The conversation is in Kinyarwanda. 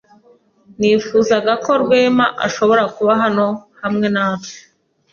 Nifuzaga ko Rwema ashobora kuba hano hamwe natwe.